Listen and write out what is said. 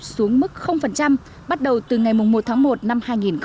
xe nhập khẩu xuống mức bắt đầu từ ngày một tháng một năm hai nghìn một mươi tám